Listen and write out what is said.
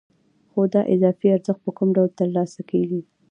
خو دا اضافي ارزښت په کوم ډول ترلاسه کېږي